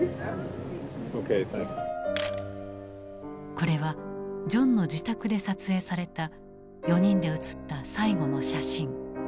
これはジョンの自宅で撮影された４人で写った最後の写真。